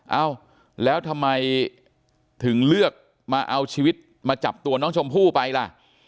เอ้าแล้วทำไมถึงเลือกมาเอาชีวิตมาจับตัวน้องชมพู่ไปล่ะ